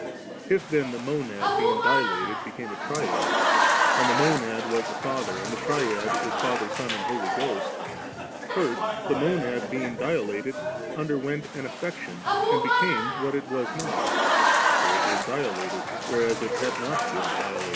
If then the Monad being dilated became a Triad, and the Monad was the Father", and the Triad is Father, Son, and Holy Ghost, first the Monad being di lated, underwent an affection and became what it was not ; for it was dilated, whereas it had not been dilate.